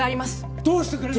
どうしてくれるんだ！